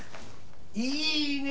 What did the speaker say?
いいねえ！